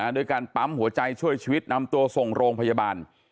ด้วยการปั๊มหัวใจช่วยชีวิตนำตัวส่งโรงพยาบาล